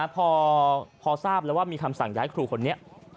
พอทราบแล้วว่ามีคำสั่งย้ายครูคนนี้